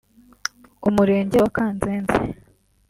Umurenge wa Kanzenze